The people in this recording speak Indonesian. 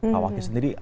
pak wakil sendiri